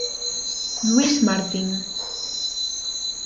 Louis Martin